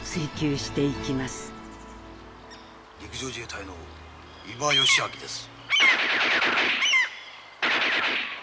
陸上自衛隊の伊庭義明です。